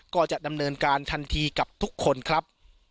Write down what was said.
ก็จะดำเนินการทันทีกับทุกคนครับ